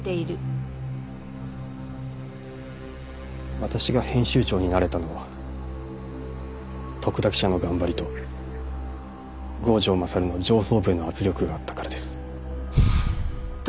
私が編集長になれたのは徳田記者の頑張りと郷城勝の上層部への圧力があったからです。